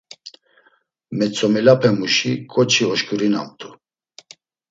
Metzomilapemuşi ǩoçi oşǩurinamt̆u.